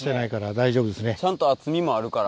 ちゃんと厚みもあるから。